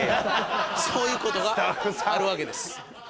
そういう事があるわけです。